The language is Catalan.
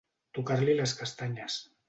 Tocar-li les castanyes.